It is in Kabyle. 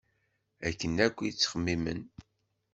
Akken akk i ttxemmimen.